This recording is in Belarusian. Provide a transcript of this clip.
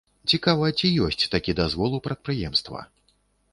Цікава, ці ёсць такі дазвол у прадпрыемства?